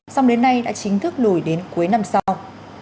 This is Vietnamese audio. xong đến nay đã chính thức lùi đến cuối năm sau